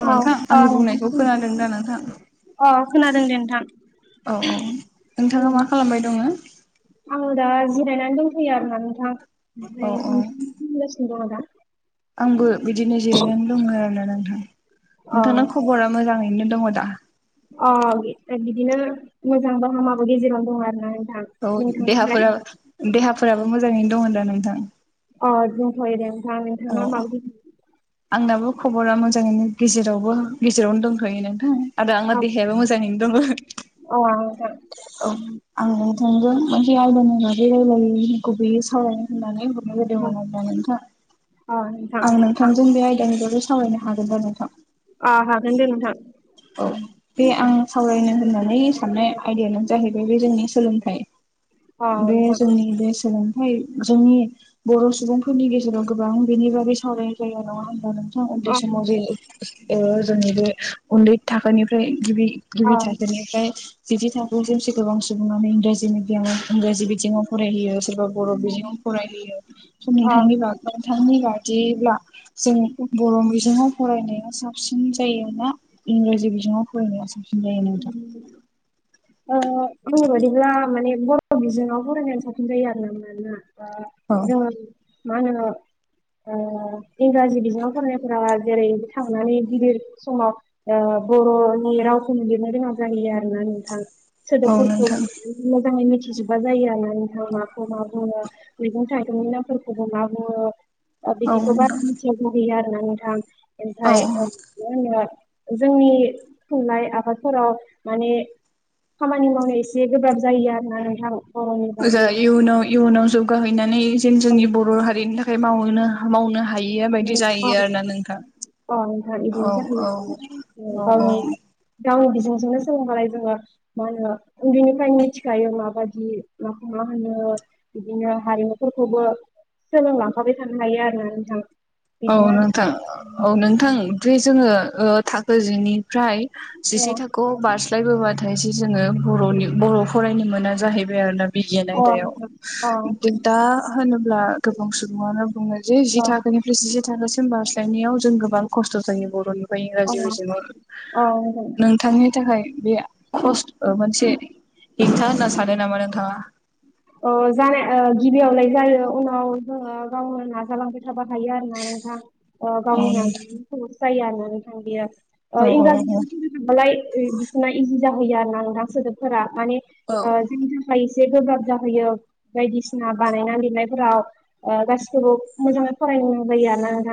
औ नोंथां आंनि बुंनायखौ खोनादों दा नोंथां? अ खोनादों दे नोंथां औ औ नोंथाङा मा खालामबाय दङो? आं दा जिरायनानै दंथ'यो आरोना नोंथां ओमफ्राय औ नोंथां [unintelligible] दङ आदा? आंबो बिदिनो जिरायनानै दङ आरोना नों दा अ नोंथांना खबरा मोजाङैनो दङ दा? अ बिदिनो मोजांबो हामाबो गेजेरावनो दं आरोना। नोंथां औ नोंथांनिफ्राय देहाफोरा देहाफोराबो मोजाङैनो दङ दा नोंथां? अ दंथयो दे नोंथां औ नोंथांना [unintelligible] आंनाबो खबरा मोजाङैनो गेजेराव गेजेरावनो दंथ'यो नोंथां आरो आंना औ देहायाबो मोजाङैनो दङो। औ आं नोंथां औ आं नोंथांजों मोनसे आयदानि बागै रायला [unintelligible] सावरायनो होननानै हरनाय जादोंमोन आरोना नोंथां। औ अ नोंथां आं नोंथांजों बे आयदानि बागै सावरायनो हागोन दा नोंथां? अ हागोन दे नोंथां औ बे आं सावरायनो होननाय नै साननाय आयदायानो जाहैबाय बे जोंनि सोलोंथाइ अ बे नोंथां जोंनि बे सोलों थाइ जोंनि बर' सुबुंफोरनि गेजेराव गोबां बेनि बागै सावरायनाय जायो नङा होनबा नों थां उन्दै अ समाव जे ओ जोंनि बे उन्दै थाखोनिफ्राय गिबि गिबि थाखो अ निफ्राय बिदि [unintelligible] गोबां सुबुङानो इंराजि मिडियाम इंराजि बिजोंङाव फरायहोयो सोरबा बर' बिजोङाव फरायहोयो नोंथांनि बाग नोंथांनि बादिब्ला जों बर' बिजोङाव फरायनाया साबसिन जायोना इंराजि बिजोङाव फरायनाया सिन जायो नोंथां अ ओ बुंनाय बाददिब्ला माने बर' बिजोङाव फरायनाया साबसिन जायो आरो ना ओ औ जोंङो मा होनो ओ इंराजि बिजोङाव फरायनायफोरा जेरै थांनानै गिदिर समाव ओ बर'नि राव लिरनो रोङा जाहैयो आरो ना नोंथां औ सोदोबफोरखौ नोंथां मोजाङै मिथि मिथिजोबा जायो आरोना नोंथां माखौ मा बुङो मैगं थाइगंनि नामफोरखौबो मा बुङो ओ औ बिदिखौ बारा नोंथां [unintelligible] आरोना नोंथां ओमफ्राय औ [unintelligible] जोंनि थुनलाइ आ फादफोराव माने खामानि मावनो एसे गोब्राब जायो आरो ना नोंथां बर'नि जा बागै इयुनाव इयुनाव जौगाहैनानै जेन औ जोंनि बर' हारिनि थाखाय मावनो मावनो हायैया बायदि जाहैयो आरोना नोंथां अ नोंथां बिदिनो औ औ जाहैयो औ औ गावनि गावनि बिजोंजोंनो सोलोंबालाय जोङो मा होनो उन्दैनिफ्रायनो मिथिखायो माबायदि माखौ मा होनो बिदिनो हारिमुफोरखौबो सोलोंलांफाबाय थानो हायो आरो ना नोंथां औ बिदिनो आरो नोंथां औ नोंथां बे जोङो ओ थाखो जिनि फ्राय अ जिसे थाखोआव बारस्लायबोबाथाय जे जोङो बर'नि बर' फरायनो मोना जाहै आरोना बिगियान अ आयदायाव नोंथां दा होनोब्ला गोबां सुबुङानो बुङो जे जि अ थाखोनिफ्राय जिसे थाखोसिम बारस्लायनायाव जों गोबां खस्थ' जायो बर'निफ्राय अ इंराजि बिजोङाव नोंथां नोंथांनि थाखाय बे खस अ मोनसे हेंथा होनना सानो नामा नोंथाङा? अ जानाय अ गिबियावलाय जायो उनाव जोङो गावनो नाजालांबाय थाबा हायो आरो ना नोंथां अ औ गावनि नोंथां नाजानायनि सो जायो आरोना नोंथां बेयो अ औ इंराजिजों फोरों थांबालाय बिसोरना इजि जाहैयो आरो ना नोंथां सोदोबफोरा माने औ अ जोंजोफ्रा एसे गोब्राब जाहैयो बायदिसिना बानायना लिरनायफोराव अ गासिखौबो मोजाङै फरायनो बायो ज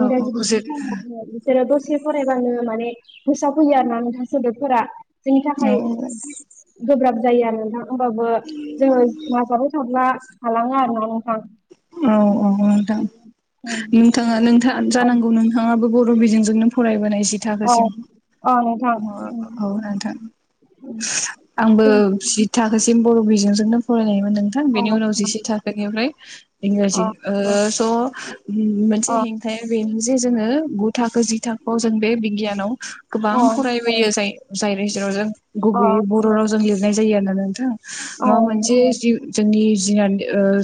औ औ बिस जे द [unintelligible] एसे फरायबानो माने गोसोआव फैयो आरो ना नोंथां सोदोबफोरा जोंनि औ थाखाय एसे गोब्राब जायो नोंथां होमबाबो जोङो नाजाबाय थाब्ला हालाङो आरो ना औ औ औ उम नोंथां-नोंथांआ नोंथां औ जानांगौ नोंथाङाबो ब- र' बिजोंजोंनो फरायबोनाय जि औ थाखोसिम औ नोंथां औ उम औ नोंथां उम आंबो जों जि थाखो सि- म बर' बिजोंजोंनो फरायनायमोन नोंथां औ बेनि उनाव नोंथां जिसे थाखोनिफ्राय इंराजि अ औ स' मोनसे अ हेंथाया बेनो जे जोङो गु थाखो जि थाखोआव जों बे बिगियानाव गोबां अ फरायबोयो जाय-जाय जेरावजों अ गुबैयै बर' रावजों लिरनाय जायो आरोना नोंथां औ माबा मोनसे जि-जोंनि जि अ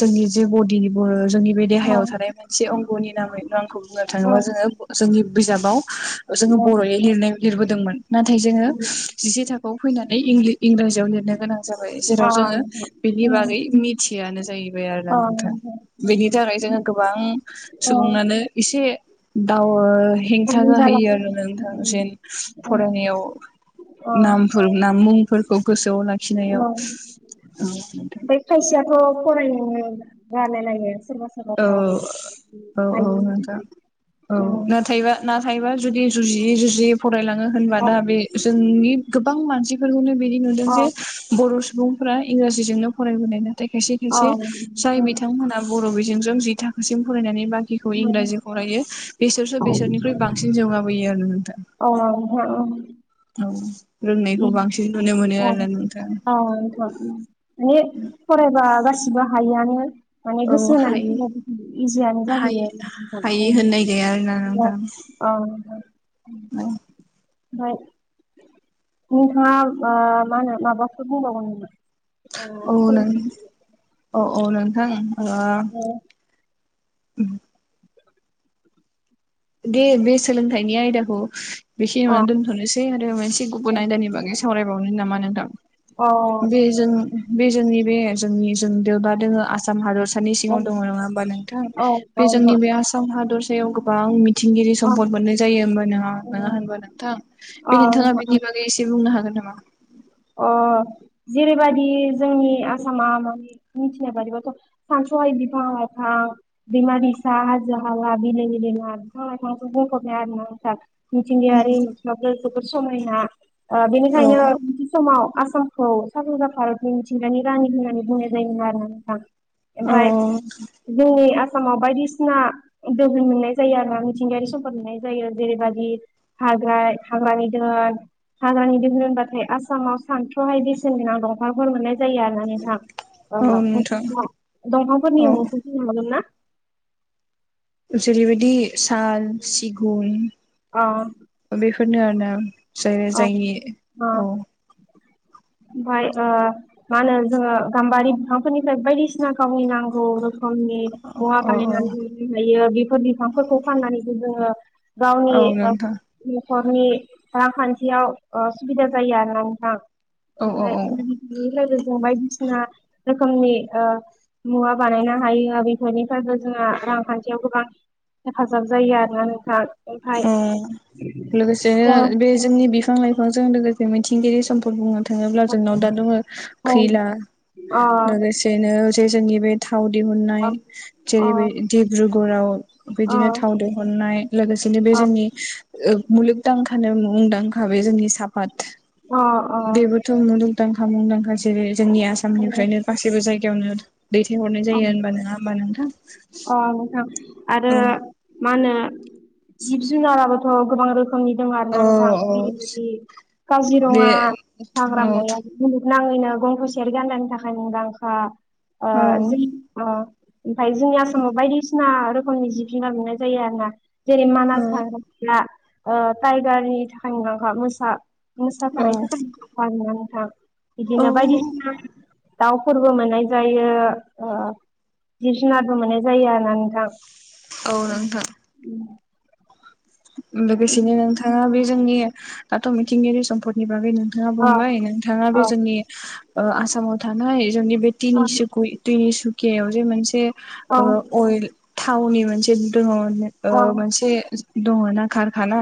जोंनि जे बदिनिबो जोंनि बे देहायाव थानाय मोनसे अंग'नि नामैनो आंखौ बुंनो औ थाङोबा जोङो जोंनि बिजाबाव जोङो बर'यै लिरनाय लिरबोदोंमोन नाथाय जोङो उम जिसे थाखोआव फैना- नै इंलि-इंराजियाव लिरनो गोनां जाबाय जेराव अ जोङो बेनि उम बागै मिथियानो जाहैबाय आरोना अ नों- थां नोंथां बेनि थाखाय जोङो गोबां अ सुबुंनानो एसे दाव उम हेंथा जाला जाहैयो आरो नोंथां जेन अ फरायनायाव अ नामफोर नाम मुंफोरखौ गोसोआव लाखिनायाव औ औ नोंथां ओ फरायनोनो जानो नागिरा औ औ औ हायिनि नोंथा औ थाखाय नाथायबा-नाथायबा जुदि जुजियै जु- जियै फरायलाङो होनबा औ दा बे जोंनि गोबां मानसिफोरखौनो बिदि नुदों औ जे बर' सु- बुंफोरा इंराजिजोंनो फरायबोनाय नाथाय औ खायसे-खायसे जाय बिथांमोना बर' बि- जों जि थाखोसिम फरायनानै बाखिखौ नोंथां इंराजि फरायो बेसोरसो बेसोरनिख्रुइ बांसिन जौगाबोयो आरो नोंथां अ नंगौ औ रोंनायखौ उम बांसिन नुनो मोनो औ आरोना नोंथां औ नोंथां उम नेट फरायबा गा- सिब हायानो माने औ गोसो हायो होनाय इजियानो हायो जाहोयो उम उ अ हायि होननाय गैया आरोना नोंथां नोंथां औ ओमफ्राय नोंथाङा मा-मा होनो माबाफोर बुंबावगोन नामा? ओ औ नों सोलोंथाइ औ औ नोंथां अ द ओ, [inaudible] दे बे सोलोंथाइनि आयदाखौ अ बेखिनियावनो दोनथ'नोसै आरो मोनसे गुबुन अ आयदानि बागै सावरायबावनो नामा नोंथां? औ बे जों बे जोंनि बे जोंनि जों देवता दोङो आसाम हादर- सानि औ सिङाव दङ नङा होमबा नोंथां बे जोंनि नोंथां बे आसाम हादरसायाव गोबां मिथिंगिरि अ सम्पद मोननाय जायो होनबा नङा-नङा होनबा नोंथां अ बे अ, नोंथाङा बेनि बागै एसे बुंनो हा- गोन नामा? अ जेरैबाददि जोंनि आसामा माने मिथिनाय बादिबाथ' सानसे सय बिफां लाइफां बिमा बिसा हाजो हाला बिल बिलमा बिफां लाइफां ना आ मिथिंगायारि मिथिङ जोबोर समायना औ बेनिखायनो समाव आसामखौ साानजा भारतनि मिथिंगानि रानि होननानै बुंनाय जायोमोन आरो ना नोंथां औ ओमफाय जोंनि आसामाव बायदिसिना द मोननाय जायो आरोा मिथिंगायारि सम्पद मोननाय जायो जेरैबायादि ओमफ्राय हाग्रानि केरेला भाग्रानि [unintelligible] आसामाव सानथ्र'हायदिसेन गोनां दंफांफोर मोननाय जायो आरो ना नोंथां औ नोंथां अ दङांबो औ ने ना [unintelligible] जेरैबायदि साल सिगुन अ बेफोर बे फोरनो आरो [unintelligible] ना जेर अ जायनि अ औ ओमफाय मा होनो जोङो गाम्बारि बिफांफोरनिफ्राय बायदिसिना गावनि नांगौ रोखोम रोखोमनि मुवा औ बानायनानै लनो हायो बेफोर बिफांफोरखौ फाननानैबो जोङो औ गावनि नोंथां नखरनि रांखान्थियाव सुबिदा जायो आरो ना नोंथां औ औ ओमफ्राय औ बेनिफ्रायबो जों बायदिसिना रोखोमनि मुवा बानायनो हायो बेफोरनिफ्रायबो जोंहा रांखान्थियाव गोबां हेफाजाब जायो आरोना नोंथां ओमफाय अ लोगोसे अ बे जोंनि बिफां लाइफांजों लोगोसे बे मिथिंगगिरि समफोर बुङो थाङोब्ला जोंनाव दा दङ अ खैला लोगोसेनो जे जोंनि बे थाव दिहुननाय अ जेरै डब्रुगऱाव अ बिदिनो थाव दिहुननाय लोगोसे बे अ जोंनि मुलुगदांखानो मुंदांखा बे जोंनि साफात अ अ बेबोथ' मुदुंदांखा मुंदांखा जेरै जोंनि अ आसामनिफ्रायनो गासैबो जायगा यावनो दैथायहरनाय अ जायो होनबा नङा होमबा नोंथां अ नोंथां आरो औ मा होनो जिब जुनाराबोथ' गोबां रोखोम जोंनि दं औ आरोना नोंथां औ [unintelligible] बे काजिरङा औ हाग्रामाया [unintelligible] नाङैनो गं थसेयारि गान्दानि थाखाय मुंदांखा ओ औ अ ओमफफ्राय जोंनि आसामाव बायदिसिना रोखोमनि जिब जुनार नुनाय जायो आरो ना। जेरै मानास औ हाग्राया ओ टाइगारनि थाखाय मुंदांखा मोसा मोसा थानायनि औ थाखाय [unintelligible] नोंथां बिदिनो बायदिसिना दाउ फोरबो मोननाय जायो ओ जिब जुनारबो मोननाय जायो आरो ना नोंथां। औ नोंथां। लोगोसेनो नोंथाङा बे जोंनि दाथ' मिथिंगायारि सम्पदनि बागैनो नोंथाङा अ बुंबाय नोंथाङा अ बे जोंनि ओ आसामाव थानाय जोंनि बे अ तिनिसुकुय तिनि सुकियायाव दि मोनसे औ अइल थावनि अइल मोनसे औ [unintelligible] मोनसे दङना खारखाना।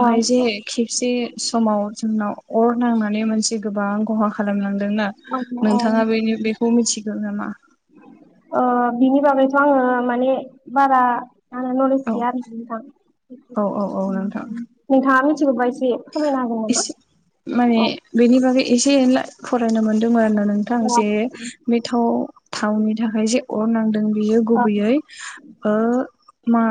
औ जे खेबसे समाव जोंनाव अर नांनानै मोनसे गोबां खहा खालामलांदोंना औ नोंथाङा बेनि बेखौ मिथिगौ नामा? अ बिनि बागैथ' आङो माने बारा आंनाव नलेज औ गैया आरो नोंथां औ औ औ नोंथां नोंथांआ मोनथिगौ बा इसे एसे माने औ बेनि बागै एसे एसे एला फरायनो मोनदोंमोन [unintelligible] नोंथां औ जे बेथ'। थावनि थाखाय जे अर नांदों। बियो औ गुबैयै ओ मा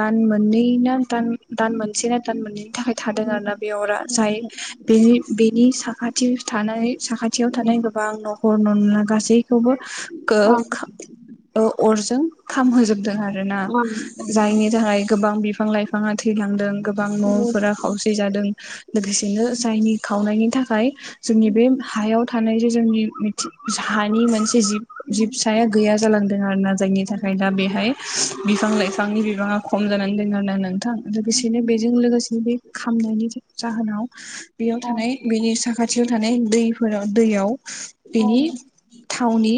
दान मोननै ना दान दान मोनसेना दान मोननैनि थाखाय थादों आरोना बे अरा जाय बेनि बेनि साखा टिउस थानाय साखाथियाव थानाय गोबां न'खर नला गासैखौबो ओ अरजों खामहोजोबदों आरोना जायनि थाखाय गोबां बिफां लाइ फाङा थैलांदों गोबां न'फोरा खावसे जादों। लोगोसेनो जायनि खावनायनि थाखाय जोंनि बे हायाव थानाय जे जोंनि हानि मोनसे जिब जिबसाया गैया जालांदों आरोना जायनि थाखाय दा बेहाय बिफां लाइफांनि बिबाङा खम जानाय। [unintelligible] नोंथां लोगोसेनो बेजों लोगोसेनो बे खामनायनि जाहोनाव बेयाव थानाय बेनि साखाथियाव थानाय दैफोराव दैयाव बेनि थावनि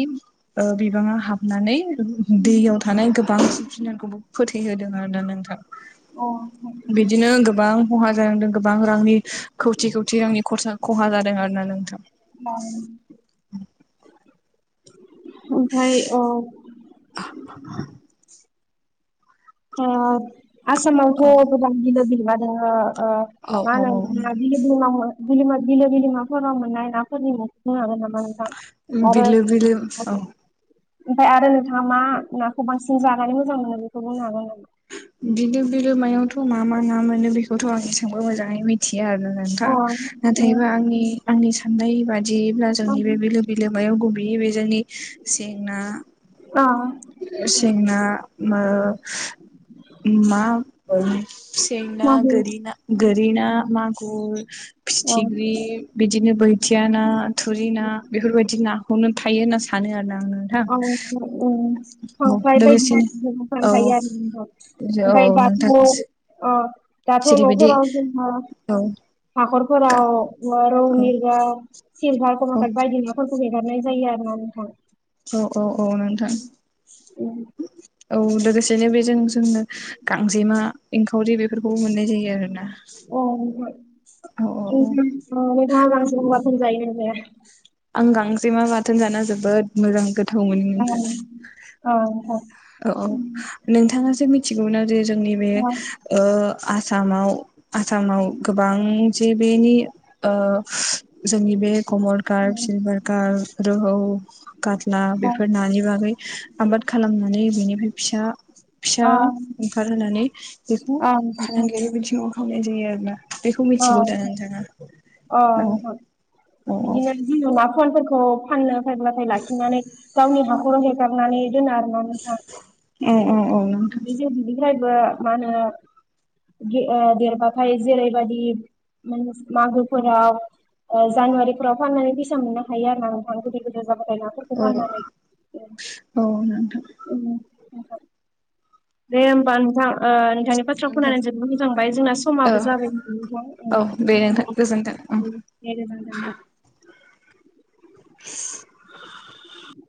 ओ बिबाङा हाबनानै दैयाव थानाय गोबां जिब जुनारखौबो फोथैहोदों आरो ना नों थां। अ। बिदिनो गोबां खहा जानांदों। गोबां रांनि खौथि खौथि रांनि खरसा खहा जादों आरो ना नोंथां। [inaudible] ओमफ्राय औ [inaudible] आ औ आसामावथ' गोबां बिलो बिलोमा दङ। ओ औ मा औ औ होनो बिलो बिलोमा बिलोमा बिलो-बिलोमाफोराव मोननाय नाफोरनि मुं खिथानो हागोन नामा। नोंथां? आरो बिलो बिलो औ। ओमफ्राय आरो नोंथाङा मा नाखौ बांसिन जानानै मोजां मोनो बेखौ बुंनो हागोन नामा। बिलो बिलोमायावथ' मा मा ना मोनो बेखौथ' आं एसेबो मोजाङै मिथि या आरो अ नोंथां नाथायबा आंनि आंनि साननाय बादियैब्ला जोंनि बे बिलो बिलोमायाव गु [unintelligible] जोंनि जेंना अ सें ना मा सें ना मागुर गोरि ना गोरि ना मागुर। औ फिथिख्रि बिदिनो बोथिया ना थुरि ना बेफोरबायदि ना। खौनो थायो होनना सानो आरो ना आङो। औ [unintelligible] उम खांख्राय बायदि लोगोसेनो [unintelligible] औ थायो आरो औ ओमफ्राय दाथ' नोंथां अ' दाथ' जेरैबायदि न'फोराव जोंहा औ हाखरफोराव रौ मिगा, सिलभार, कमल औ काट बायदि नाफोरखौ एंगारनाय जायो आरो ना नोंथां। औ औ औ नोंथां औ लोगोसेनो बेजों जोङो गांजेमा एंखावरि बेफोरखौबो मोननाय जायो आरोना। औ ओहो। औ औ औ [unintelligible] आं गांजेमा बाथोन जानो जोबोद मोजां गोथाव मोनो औ नोंथां। औ नोंथां औ औ नोंथाङा जे मिथिगौ ना जे जोंनि बे ओ आसामाव आसामाव गोबां जे बेनि ओ जोंनि बे कमल कार्ट सिलबारगार, रौ, खाटला, बेफोर नानि बागै आबाद खालामनानै बेनिफ्राय फिसा अ फिसा ओंखारहोनानै बेखौ अ नोंथां फालांगियारि बिथिङाव मावनाय जायो आरो ना बेखौ मिथिगौ दा नोंथाङा? अ' औ नोंथां औ बिदिनो जेनबा फनफोरखौ फाननो नाथाय लाखिनानै गावनि हाखौनो एगारनानै दोनो आरो ना नोंथां। औ औ औ नोंथां बि जों बिनिफ्रायबो मा होनो दे ओ देरबाथाय जेरैबायदि मागोफोराव ओ जानुवारिफोराव फाननानै फैसा मोननो हायो आरो ना नोंथां गोदिर गोदिर माखासे नाफोरखौ फाननानै औ औ नोंथां उम उम नोंथां। दे होमबा नोंथां। ओह नोंथांनि बाथ्राखौ खोनाना जोबोद मोजां मोनबाय जोंना औ समाबो जाबाय औ दे नोंथां गोजोन्थों [unintelligible] [unintelligible] [inaudible]